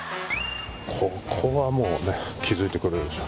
ここはもうね気付いてくれるでしょ